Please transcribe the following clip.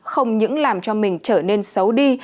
không những làm cho mình trở nên xấu đi